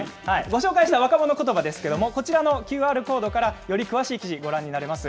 ご紹介した若者ことばですけれども、こちらのＱＲコードからより詳しい記事、ご覧になれます。